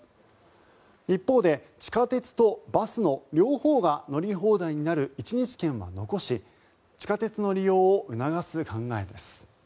一方で地下鉄とバスの両方が乗り放題になる一日券は残し地下鉄の利用を促す考えです。